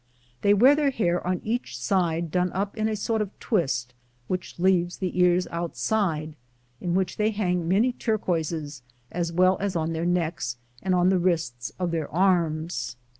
They wear their hair on each aide done up in a sort of twist [plate lxiii], which leaves the ears outside, in which they hang many turquoises, as well as on their necks and on the wrists of their arms.